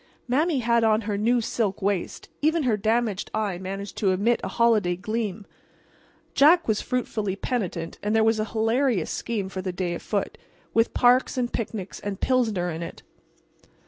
Mame had on her new silk waist. Even her damaged eye managed to emit a holiday gleam. Jack was fruitfully penitent, and there was a hilarious scheme for the day afoot, with parks and picnics and Pilsener in it.